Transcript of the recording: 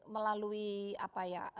melalui apa ya